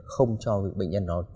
không cho bệnh nhân nó